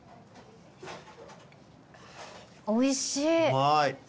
おいしい。